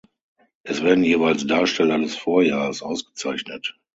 Es werden jeweils Darsteller des Vorjahrs ausgezeichnet.